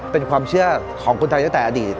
เป็นความเชื่อของคนไทยตั้งแต่อดีต